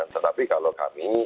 tetapi kalau kami